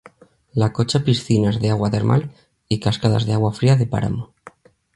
La Cocha piscinas de agua termal y cascadas de agua fría de páramo.